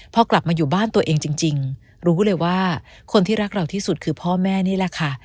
พอกลับมาอยู่บ้านตัวเองจริงรู้เลยว่าคนที่รักเราที่สุดคือพ่อแม่นี่แหละค่ะ